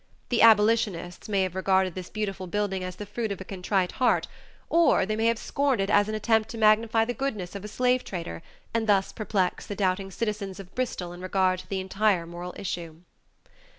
The Abolitionists may have regarded this beautiful building as the fruit of a contrite heart, or they may have scorned it as an attempt to magnify the goodness of a slave trader and thus perplex the doubting citizens of Bristol in regard to the entire moral issue.